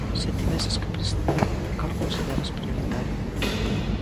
Se tiveses que prescindir dun, cal consideras prioritario?